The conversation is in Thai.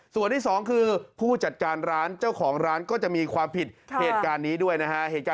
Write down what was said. ส่วนที่สองคือผู้จัดการร้านเจ้าของร้านก็จะมีความผิดเหตุการณ์นี้ด้วยนะฮะ